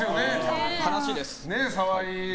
悲しいです。